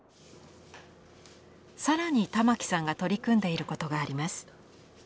更に玉城さんが取り組んでいることがあります。